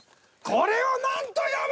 これを何と読む！